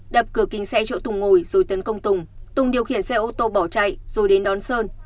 đập cửa kính xe chỗ tùng ngồi rồi tấn công tùng tùng điều khiển xe ô tô bỏ chạy rồi đến đón sơn